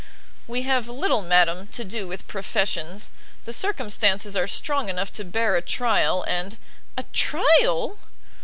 "We have little, madam, to do with professions; the circumstances are strong enough to bear a trial, and " "A trial!